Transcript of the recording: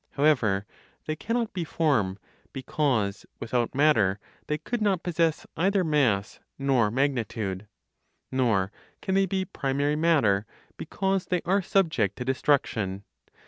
However, they cannot be form, because, without matter, they could not possess either mass nor magnitude. Nor can they be primary matter, because they are subject to destruction.